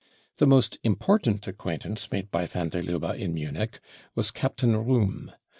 The most important acquaintance made by van deT Lubbe in Munich was Captain Rohm.